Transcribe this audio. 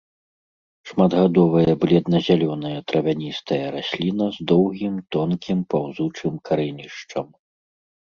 Шматгадовая бледна-зялёная травяністая расліна з доўгім тонкім паўзучым карэнішчам.